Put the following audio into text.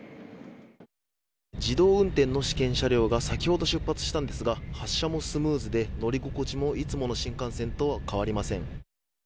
自動運転の試験車両が先ほど出発したんですが発車もスムーズで、乗り心地もいつもの新幹線と変わりません。